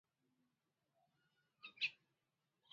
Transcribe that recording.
ځمکنی شکل د افغان ځوانانو د هیلو او ارمانونو استازیتوب کوي.